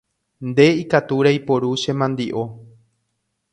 Nde ikatu reiporu che mandi’o.